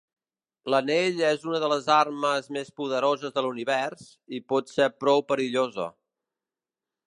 L'anell és una de les armes més poderoses de l'univers i pot ser prou perillosa.